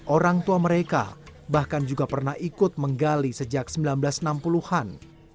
orang tua mereka bahkan juga pernah ikut menggali sejak seribu sembilan ratus enam puluh an